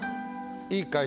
いいかい？